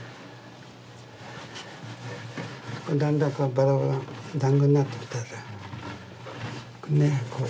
だんだんバラバラだんごになってきた。